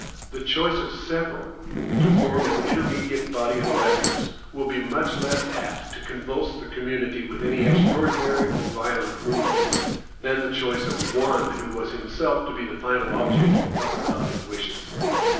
The choice of SEVERAL, to form an intermediate body of electors, will be much less apt to convulse the community with any extraordinary or violent movements, than the choice of ONE who was himself to be the final object of the public wishes.